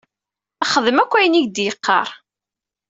Xdem akk ayen i k-d-yeqqar.